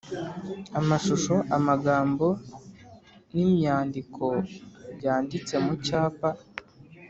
amashusho, amagambo, n’imyandiko byanditse mu cyapa-